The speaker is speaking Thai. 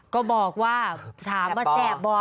ก็บอกว่าถามว่าแสบ่